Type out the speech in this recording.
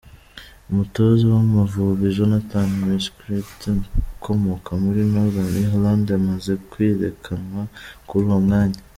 Umutoza w’Amavubi Jonathan Mckinstry ukomoka muri Northern Iriland amaze kwirukanwa kuri uwo mwanya.